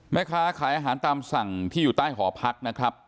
แม่ค้าขายอาหารตามสั่งที่อยู่ใต้หอพักนะครับ